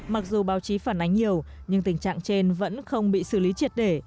mặc dù báo chí phản ánh nhiều nhưng tình trạng trên vẫn không bị xử lý triệt để